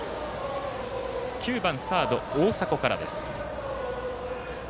９番、サード大迫からです。